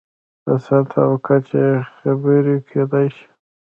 په سطحه او کچه یې خبرې کېدای شي.